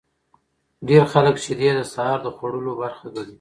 ډیر خلک شیدې د سهار د خوړلو برخه ګڼي.